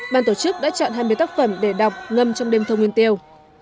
ban tổ chức đã chọn hai mươi tác phẩm để đọc ngâm trong đêm thơ nguyên tiêu